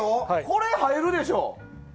これ、入るでしょ。